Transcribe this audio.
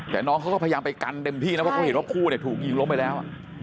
แต่น้องเขาก็พยายามไปกันเต็มที่นะเพราะเขาเห็นว่าคู่เนี่ยถูกยิงล้มไปแล้ว